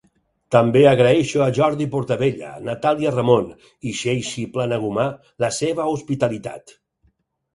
També agraeixo a Jordi Portabella, Natàlia Ramon i Xeixi Planagumà la seva hospitalitat.